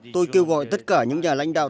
tôi kêu gọi tất cả những nhà lãnh đạo